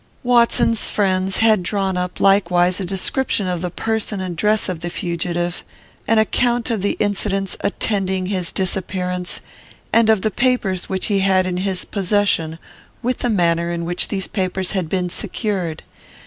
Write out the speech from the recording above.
Watson's friends had drawn up, likewise, a description of the person and dress of the fugitive, an account of the incidents attending his disappearance, and of the papers which he had in his possession, with the manner in which these papers had been secured.